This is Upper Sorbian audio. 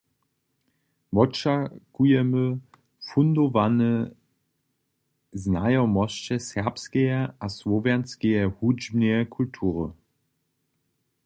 Wočakujemy fundowane znajomosće serbskeje a słowjanskeje hudźbneje kultury.